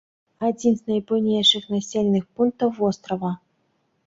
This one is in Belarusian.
Адзін з найбуйнейшых населеных пунктаў вострава.